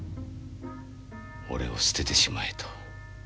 俺を捨ててしまえと。